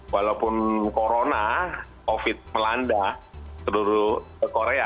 walaupun corona covid melanda seluruh korea